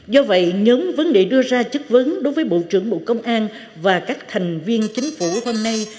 do vậy nhóm vấn đề đưa ra chất vấn đối với bộ trưởng bộ công an và các thành viên chính phủ hôm nay